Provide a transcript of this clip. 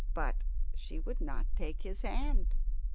But she would not take his hand.